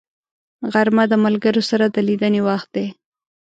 غرمه د ملګرو سره د لیدنې وخت دی